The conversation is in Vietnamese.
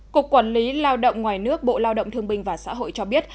cục quản lý lao động ngoài nước bộ lao động thương binh và xã hội cho biết